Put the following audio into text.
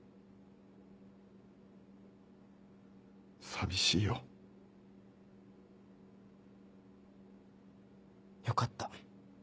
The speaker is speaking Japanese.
寂しいよ。よかった。